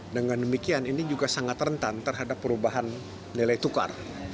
dengan demikian ini juga sangat rentan terhadap perubahan nilai tukar